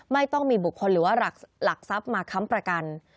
ไม่ต้องมีบุคคลหรือว่าหลักทรัพย์มาค้ำประกัน